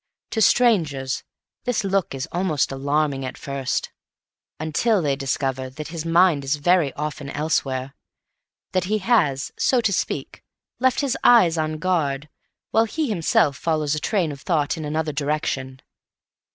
To strangers this look is almost alarming at first, until they discover that his mind is very often elsewhere; that he has, so to speak, left his eyes on guard, while he himself follows a train of thought in another direction.